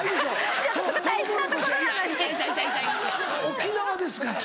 沖縄ですから。